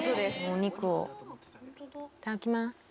お肉をいただきます。